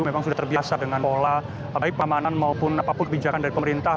memang sudah terbiasa dengan pola baik pamanan maupun apapun kebijakan dari pemerintah